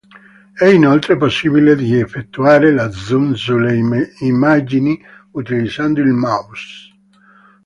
È inoltre possibile di effettuare lo zoom sulle immagini, utilizzando il mouse.